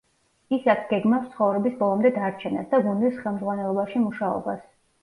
ის აქ გეგმავს ცხოვრების ბოლომდე დარჩენას და გუნდის ხელმძღვანელობაში მუშაობას.